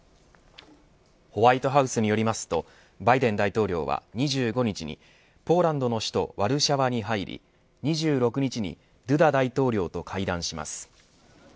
ホワイトハウスによりますとバイデン大統領は２５日にポーランドの首都ワルシャワに入り２６日にドゥダ大統領と会談します。